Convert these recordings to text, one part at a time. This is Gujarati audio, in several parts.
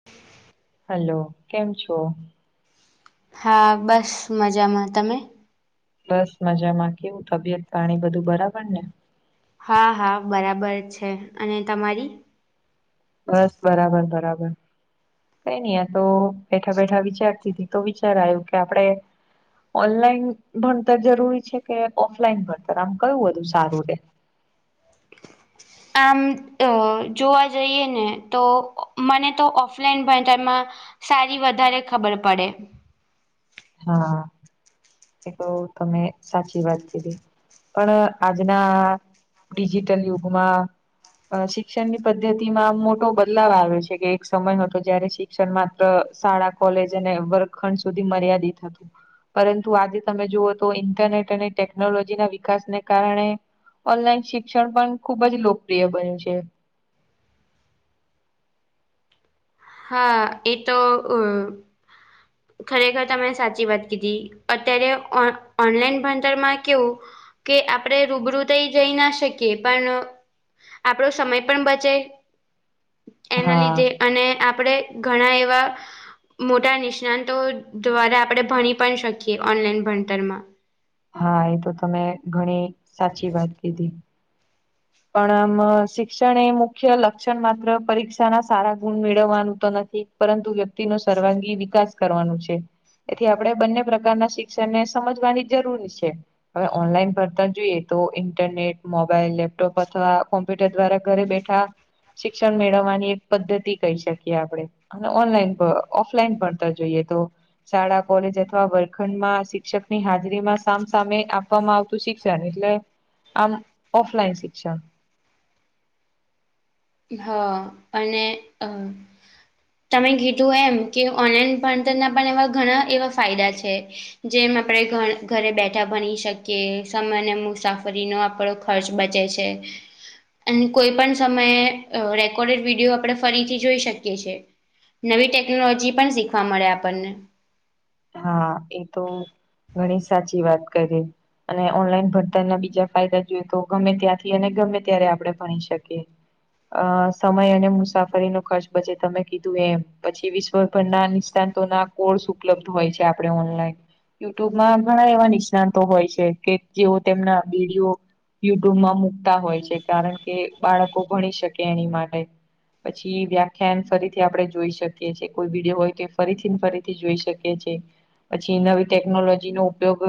[inaudible] હેલો કેમ છો? હા બસ મજામાં. તમે? બસ મજામાં. કેવું તબિયત પાણી બધું બરાબર ને? હા હા બરાબર છે. અને તમારી? બસ બરાબર બરાબર. કઈ નઈ આતો બેઠા બેઠા વિચારતી હતી તો વિચાર આવ્યું કે આપડે. ઓનલાઈન ભણતર જરૂરી છે કે ઓફલાઈન ભણતર આમ કયું વધું સારું રે? [inaudible] આમ જોવા જઈએ ને તો મને તો ઓફલાઈન ભણતરમા સારી વધારે ખબર પડે. હા એ તો તમે સાચી વાત કીધી. પણ આજના ડિજિટલ યુગમાં. અ શિક્ષણની પદ્ધતિ માં આમ મોટો બદલાવ આવ્યો છે કે એક સમય હતો જયારે શિ શિકણ માત્ર શાળા, કોલેજ અને વર્ગખંડ સુધી મર્યાદિત હતું. પરંતુ આજે તમે જુઓ તો ઇન્ટરનેટ અને ટેકનોલોજીના વિકાસને કારણે ઓનલાઈન શિક્ષણ પણ ખુબ જ લોકપ્રિય બન્યું છે. હા એ તો અ ખરેખર તમે સાચી વાત કીધી. અત્યારે ઓન ઓનલાઈન ભણતરમાં કેવું. કે આપણે રૂબરૂ થઈ જઈ ના શકીએ પણ આપડો સમય પણ બચે એના હા લીધે અને આપ આપડે ઘણા એવા મોટા નિષ્ણાતો દ્વારા આપણે ભણી પણ શકીએ ઓનલાઈન ભણતરમાં. હા એ તો તમે ઘણી સાચી વાત કીધી. પણ આમ શિક્ષણ એ મુખ્ય લક્ષણ માત્ર પરીક્ષા ના સારા ગુણ મેળવવાનું તો નથી. પરંતુ વ્યક્તિનો સર્વાંગી વિકાસ કરવાનું છે. એથી આપણે બંને પ્રકારના શિક્ષણને સમજવાની જરૂરી છે. હવે ઓનલાઈન ભણતર જોઈએ તો ઇન્ટરનેટ, મોબાઈલ, લેપ લેપટોપ અથવા કોમ્પ્યુટર દ્વારા ઘરે બેઠા શિક્ષણ મેળવવાની એક પદ્ધતિ કહી શકીએ આપડે. અને ઓનલાઈન ભ ઓફલાઈન ભતા જોઈએ તો શાળા, કોલેજ અથવા વર્ખંડ માં શિક્ષકની હાજરીમાં સામસામે આપવામાં આવતુ તું શિક્ષણ એટલે આમ ઓફલાઈન શિક્ષણ. હ અને અ તમે કીધું એમ કે ઓનલાઈન ભણતરના પણ એવા ઘણા એવા ફાયદા છે. જેમ આપણે ઘરે બેઠા ભણી શકીએ સમય અને મુસાફરીનો આપડો ખર્ચ બચે છે અને કોઈ પણ સમયે અ રેકોર્ડેડ વિડીયો આપડણે ફરીથી જોઈ શકીએ છીએ. નવી ટેકનોલોજી પણ શીખવા મળે આપડને. હા એ તો ઘણી સાચી વાત કરી. અને ઓનલાઈન ભણતરના બીજા ફાયદા જોઈએ તો ગમે ત્યાંથી અને ગમે ત્યારે આપણે ભણી શકીએ. અ સમય અને મુસાફરીનો ખર્ચ બે તમે કીધું એમ પછી વિશ્વ ના નિષ્તાંતતો ના કોર્સ ઉપલબ્ધ હોય છે આપડે ઓનલાઈન. યુટ્યુબમાં ઘણા એવા નિષ્ણાતો હોય છે કે જેઓ તેમના વિડીયો યુટ્યુબમાં મુકતા હોય છે કારણ કે બાળકો ભણી શકે એની માટે. પછી વ્યાખ્યાન ફરીથી આપણે જોઈ શકીએ છીએ કોઈ વિડીયો હોય તો એ ફરીથી ને ફરીથી જોઈ શકીએ. છે. પછી નવી ટેકનોલોજી નો ઉપયોગ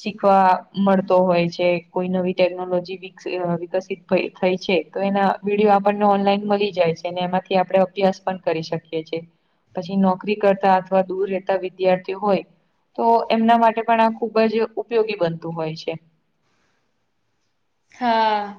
શીખવા મળતો હોય છે કોઈ નવી ટેકનોલોજી બી વિક્સી વિકસિત થઇ છે તો એના વિડીયો આપણને ઓનલાઈન મળી જાય છે અને એમાંથી આપે અભ્યાસ પણ કરી શકીએ છે પછી નોકરી કરતા અથવા દૂર રેહતા વિદ્યાર્થી હોય તો એમના માટે પણ આ ખુબ જ ઉપયોગી બનતું હોય છે. હા.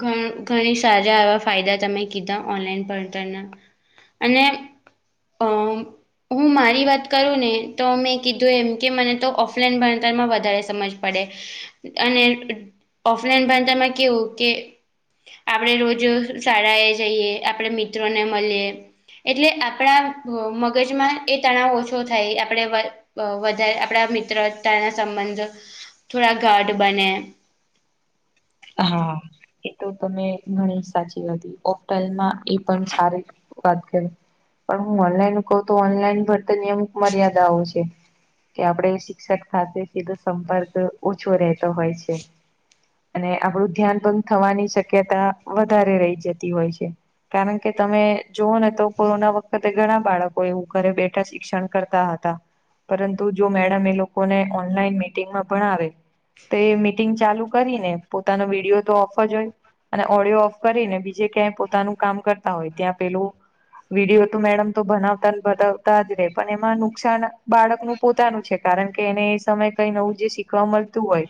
ઘ ઘણી સારા આવા ફાયદા તમે કીધા ઓનલાન ભણતરના અને અ હું મારી વાત કરું ને તો મેં કીધું એમ કે મને તો ઓફલાઈન ભણતરમાં વધારે સમજ પડે અને ઓફલાઈન ભણતામાં કેવું કે આપડે રોજ શાળાએ જઈએ આપણે મિત્રોને મલીએ એટલે આપણા મગજમાં એ તણાવ ઓછો થાય આપડે વધારે આપણા મિત્રતાના સંબંધ થોડા ગાઢ બને. હા એ તો તમે ઘણી સાચી હતી ઓફઇલમાં એ પણ સારી વાત કરી. પણ હું ઓનલાઈન કહું તો ઓનલાઈન ભર્તનની અમુક મર્યાદાઓ છે. કે આપડે શિક્ષક સાથે સીધો સંપર્ક ઓછો રહેતો હોય છે. અને આપડું ધ્યાન ભણક થવાની શક્યતા વધારે રહી જતી હોય છે. કારણ કે તમે જુઓ ને તો કોરોના વખતે ઘણા બાળકો કો એવું ઘરે બેઠા શિક્ષણ કરતા હતા. પરંતુ જો મેડમ એ લોકોને ઓનલાઈન મીટિંગમાં ભણાવે તે મીટિંગ ચાલુ કરીને પોતાનો વિડિઓ તો ઓફ જ હોય. અને ઓડિયો ઓફ કરીને બીજે ક્યાંય પોતાનું કામ કરતા હોય ત્યાં પેલું વિડીયો તો મેડમ તો બનાવતા બતાવતા જ રે પણ એમાં નુકસાન બાળકનું પોતાનું છે કારણ કે એને એ સમયે કઈ નવું જે શીખવા મળતું હોય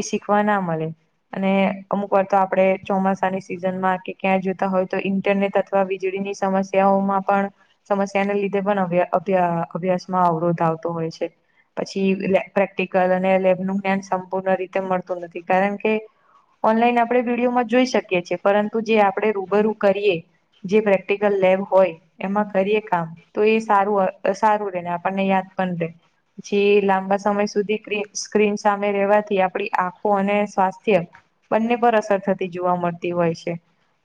એ શીખવા ના મળે અને. અમુક વાર્ તો આપણે ચોમાસાની સિઝન માં કે ક્યાં જોતા હોય તો ઇન્ટરનેટ અથવા વીજળીની સમસ્યા જગ્યાઓમાં પણ સમસ્યાને લીધે પણ અભ્ય અભ્યા અભ્યાસમાં અવરોધ આવતો હોય છે. પછી પ્રેક્ટિકલ અને લેબ નું જ્ઞાન સંપૂર્ણ રીતે મળતું નથી કારણ કે ઓનલાઈન આપણે વિડીયોમાં જોઈ શકીએ છીએ પરંતુ જે આપણે રૂબરૂ કરીએ જે પ્રેક્ટિકલ લેબ હોય એમાં કરીએ કામ તો એ સારું સારું રે ને આપણને યાદ પણ રહેે. પછી લાંબા સમય સુધી ક્રીન સ્ક્રીન સામે રેવાથી આપડી આંખો અને સ્થ [unintelligible] બંને પર અસર થતી જોવા મળતી હોય છે.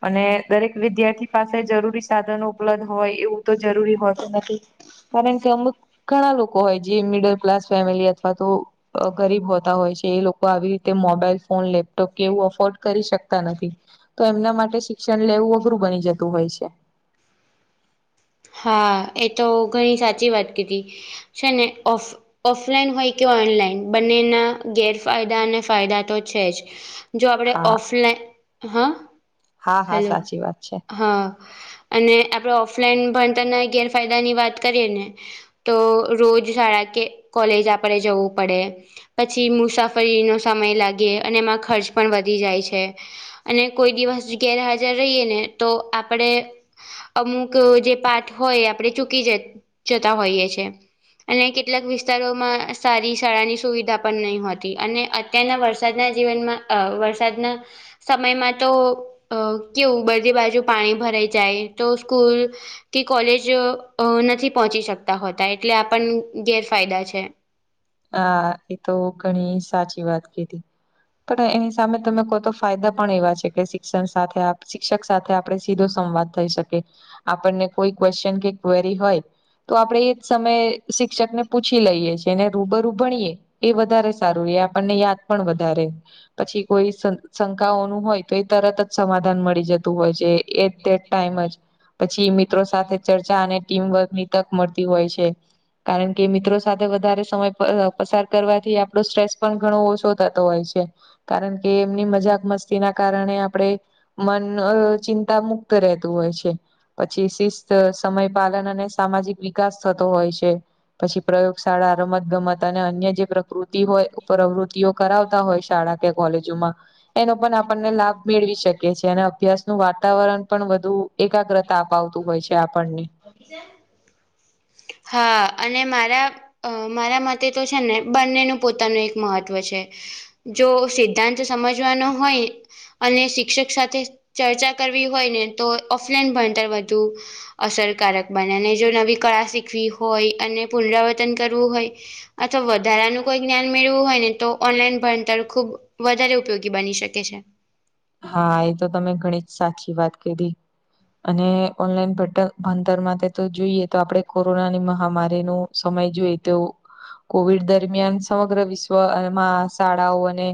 અને દરેક વિદ્યાર્થી પાસે જરૂરી સાધનો ઉપલબ્ધ હોય એવું તો જરૂરી હોતું નથી. કારણ કે અમુક ઘણા લોકો હોય જે મિડલ ક્લાસ ફેમિલી અથવા તો ગરીબ હોતા હોય છે એ લોકો આવી રીતે મોબાઈલ ફોન લેપટોપ કે એવું અફોર્ડ કરી શકતા નથી. તો એમના માટે શિક્ષણ લેવું અઘરું બની જતું હોય છે. હા એ તો ઘણી સાચી વાત કીધી છે ને ઓફ ઓફલાઈન હોય કે ઓનલાઈન બંનેના ગેરફાયદા અને ફાયદા તો છે જ. જો આપણે હા ઓફલાઈન હા હા હા હેલો સાચી વાત છે. હા અને આપડે ઓફલાઈન ભણતરના ગેરફાયદાની વાત કરીએ ને તો રોજ શાળા કે કોલેજ આપળે જવું પડે. પછી મુસાફરીનો સમય લાગે અને એમાં ખર્ચ પણ વધી જાય છે. અને કોઈ દિવસ ગેરહાજર રહીએ ને તો, આપળે અમુક જે પાઠ હોય આપણે ચૂકી જ જતા હોઈએ છે. અને કેટલાક વિસ્તારોમાં સારી શાળાની સુવિધા પણ નહીં હોતી અને અત્યારના વરસાદના જીવનમાં અ વરસાદના સમયમાં તો અ કેવું બધી બાજુ પાણી ભરાઈ જાય તો સ્કૂલ કોલેજ અ નથી પહોંચી શકતા હોતા એટલે આ પણ ગેરફાયદા છે. હા એ તો ઘણી સાચી વાત કીધી. પણ એની સામે તમે કહો તો ફાયદા પણ એવા છે કે શિક્ષણ સાથે આપ શિક્ષક સાથે આપળે સીધો સંવાદ- થઇ શકે આપણને કોઈ ક્યુએશન કે કવેરી હોય તો આપડણે એ જ સમયે શિક્ષકને પૂછી લઈએ છીએ ને રૂબરૂ ભણીએ એ વધારે સારું રે એ આપણને યાદ પણ વધારે પછી કોઈ શં શંકાઓનું હોય તો એ તરત જ સમાધાન મળી જતું હોય છે એ તે ટાઈમે જ પછી મિત્રો સાથે ચર્ચા અને ટીમવર્ક ની તક મળતી હોય છે. કારણ કે મિત્રો સાથે વધારે સમય પસાર કરવાથી આપણો સ્ટ્રેસ પણ ઘણો ઓછો થતો હોય છે. કારણ કે એમની મજાક મસ્તી ના કારણે આપડે મન અ ચિંતા મુક્ત રહેતું હોય છે. પછી શિસ્ત સમય પાલન અને સામાજિક વિકાસ થતો હોય છે. પછી પ્રયોગશાળા- રમત ગમત અને અન્ય જે પ્રકૃતિ હોય પ્રવૃતિઓ કરાવતા હોય શાળા કે કોલેજોમાં- એનો પણ આપણને લાભ મેળવી શકી છે અને અભ્યાસ નું વાતાવરણ પણ વધુ- એકાગ્રતા અપાવતું હોય છે આપણને - હા અને મારા અ મારા મતે તો છે ને બંનેનું પોતાનું એક મહત્વ છે જો સિદ્ધાંત સમજવાનો હોય અને શિક્ષક સાથે ચર્ચા કરવી હોય ને તો ઓફલાઈન ભણતર વધુ અસરકારક બને અને જો નવી કળા શીખવી હોય અને પુનરાવર્તન કરવું હોય અથવા વધારાનું કોઈ જ્ઞાન મેળવું હોય ને તો ઓનલાઈન ભણતર ખુબ વધારે ઉપયોગી બની શકે છે હા એ તો તમે ઘણી જ સાચી વાત કરીધી અને ઓનલાઈન પોટલ ભણતર માટે તો જોઈએ તો આપણે કોરોનાની મહામારીનું સમય જોઈ તો કોવિડ દરમિયાન સમગ્ર વિશ્વમાં શાળાઓ અને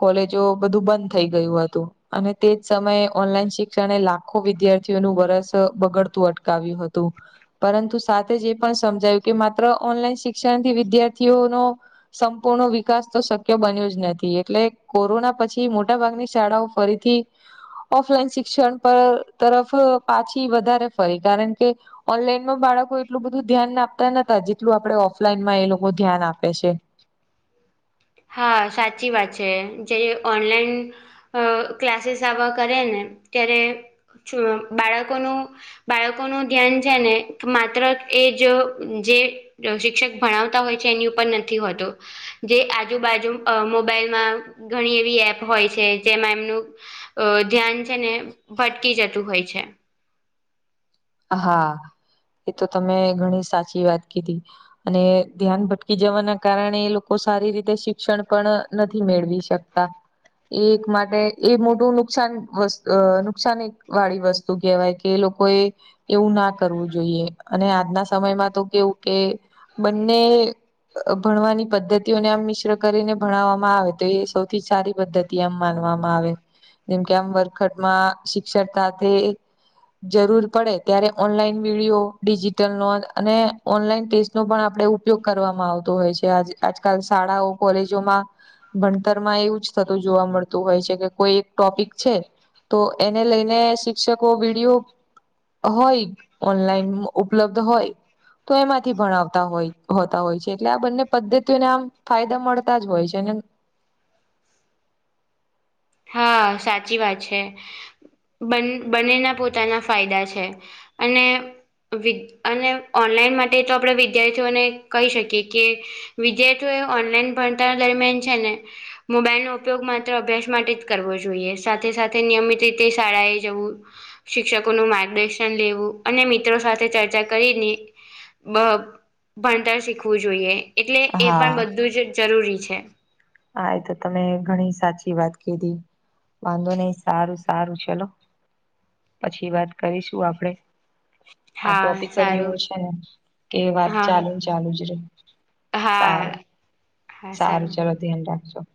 કોલેજો બધું બંધ થઈ ગયું હતું અને તેજ સમયે ઓનલાઈન શિક્ષણ લાખો વિદ્યાર્થીઓનું વરસ બગડતું અટું આવ્યું હતું પરંતુ સાથે જ એ પણ સમજાયું કે માત્ર ઓનલાઈન શિક્ષણથી વિદ્યાર્થીઓનો સંપૂર્ણ વિકાસ તો શક્ય બન્યો જ નથી એટલે કોરોના પછી મોટાભાગની શાળાઓ ફરીથી ઓફલાઈન શિક્ષણ પર તરફ પાછી વધારે ફરી કારણ કે ઓનલાઈનમાં બાળકો એટલું બધું ધ્યાન આપતા નતા જેટલું આપણે ઓફલાઈનમાં એ લોકો ધ્યાન આપે છે હા સાચી વાત છે જે ઓનલાઈન અ ક્લાસીસ આવવા કરે ને ત્યારે બાળકોનું બાળકોનુંું ધ્યાન છે ને માત્ર એ જો જે શિક્ષક ભણાવતા હોય છે એની ઉપર નથી હોતો જે આજુબાજુ મોબાઈલમાં ઘણી એવી એપ હોય છે જેમાં એમનું અ ધ્યાન છે ને ભટકી જતું હોય છે હા એ તો તમે ઘણી સાચી વાત કીધી અને ધ્યાન ભટકી જવાના કારણે એ લોકો સારી રીતે શિક્ષણ પણ નથી મેળવી શકતા એ એક માટે એ મોટું નુકસાનસ્ નુકસાન વાળી વસ્તુ શું કહેવાય કે એ લોકો એ એવું ના કરવું જોઈએ અને આજના સમયમાં તો કેવું કે બંને ભણવાની પદ્ધતિઓને આમ મિશ્ર કરીને ભણાવવામાં આવે તો એ સૌથી સારી પદ્ધતિ માનવામાં આવે જેમકે આમ વર્ખટમાં શિક્ષણ સાથે જરૂર પડે ત્યારે ઓનલાઈન વિડીયો ડિજીિટલ નો અને ઓનલાઈન ટેસ્ટ નો પણ આપ ઉપયોગ કરવામાં આવતો હોય છે આજકાલ શાળાઓ કોલેજોમાં ભણતર માં એવું જ થતું જોવા મળતું હોય છે કે કોઈ એક ટોપિક છે તો એને લઈને શિક્ષકો વિડીયો હોય ઓનલાઈન ઉપલબ્ધ હોય તો એમાંથી ભણાવતા હોય હોતા હોય છે એટલે આ બંને પદ્ધતિઓને આમ ફાયદા મળતા જ હોય છે અને હા સાચી વાત છે બ બનેના પોતાના ફાયદા છે અને વિ અને ઓનલાઈન માટે તો આપણે વિદ્યાર્થીઓને કહી શકીએ કે વિદ્યાર્થીઓ એ ઓનલાઈન ભણતાર દરમિયાન છે ને મોબાઈલનોો ઉપયોગ માત્ર અભ્યાસ માટે કરવો જોઈએ સાથે સાથે નિયમિત રીતે શાળાએ જવું શિક્ષકોનું માર્ગદર્શન લેવું અને મિત્રો સાથે ચર્ચા કરીને બ ભણતર શીખવું જોઈએ એટલે એ હા પણ બધું જ જરૂરી છે. હા એ તો તમે ઘણી સાચી વાત કીધી. વાંધો નહી સારું સારું ચલો. પછી વાત કરીશું આપડે. આ હા ટોપિક જ જેવું સારું છે કે વાત ચાલુ ને ચાલુ જ રે. સારું હા‌. સારું ચાલો ધ્યાન રાખજો.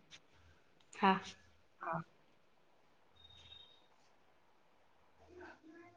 હા. હા.